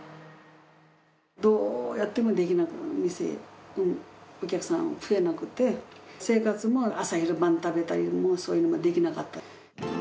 どうやっても店、お客さん増えなくて、生活も朝昼晩食べたりも、そういうのもできなかった。